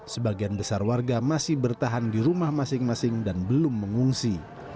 sebagian besar warga masih bertahan di rumah masing masing dan belum mengungsi